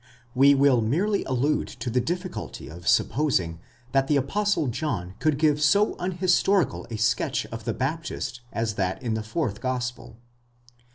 We will merely allude to the difficulty of supposing that the Apostle John could give so unhistorical a sketch of the Baptist as that in the fourth gospel.